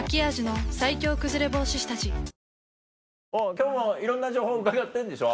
今日もいろんな情報伺ってんでしょ？